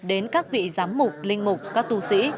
đến các vị giám mục linh mục các tù sĩ